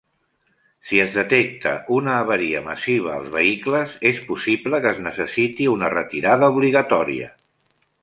Si es detecta una avaria massiva als vehicles, es possible que es necessiti una retirada obligatòria.